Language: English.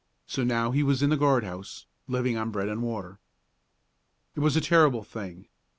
So now he was in the guard house, living on bread and water. It was a terrible thing.